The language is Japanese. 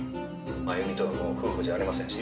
真弓とはもう夫婦じゃありませんし」